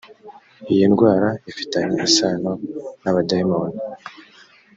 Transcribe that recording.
iyi ndwara ifitanye isano n’abadayimoni